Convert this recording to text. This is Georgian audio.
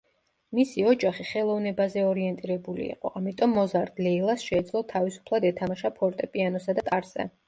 მისი ოჯახი ხელოვნებაზე ორიენტირებული იყო, ამიტომ მოზარდ ლეილას შეეძლო თავისუფლად ეთამაშა ფორტეპიანოსა და ტარზე.